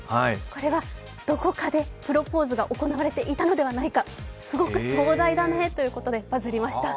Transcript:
これはどこかでプロポーズが行われていたのではないか、すごく壮大だねということでバズりました。